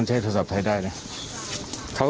เพิ่มตะเบา